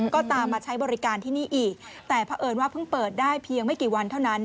ก็ตามมาใช้บริการที่นี่อีกแต่เพราะเอิญว่าเพิ่งเปิดได้เพียงไม่กี่วันเท่านั้น